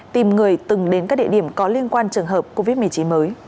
tìm người từng đến các địa điểm có liên quan trường hợp covid một mươi chín mới